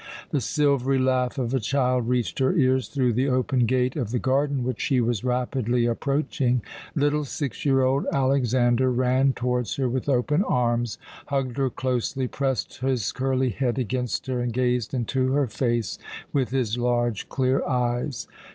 The silvery laugh of a child reached her ears through the open gate of the garden which she was rapidly approaching. Little six year old Alexander ran towards her with open arms, hugged her closely, pressed his curly head against her, and gazed into her face with his large clear eyes.